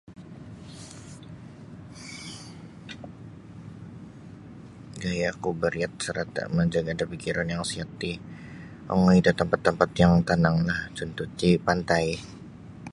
Gayaku bariat sarata manjaga da pikiran yang sihat ti ongoi da tampat-tampat yang tanang lah cuntuh ti pantai.